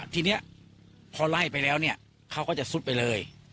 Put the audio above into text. ทีนี้พอไล่ไปแล้วเนี่ยเขาก็จะซุดไปเลย